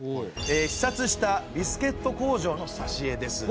視察したビスケット工場のさしえです。